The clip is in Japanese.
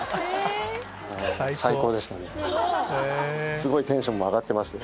すごいテンション上がってました